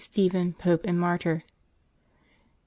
STEPHEN, Pope and Martyr. [t.